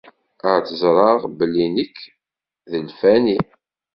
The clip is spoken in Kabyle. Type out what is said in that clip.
Ad ẓreɣ belli nekk, d lfani!